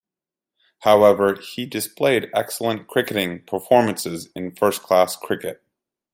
However, he displayed excellent cricketing performances in first-class cricket.